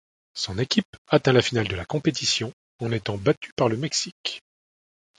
Son équipe atteint la finale de la compétition, en étant battue par le Mexique.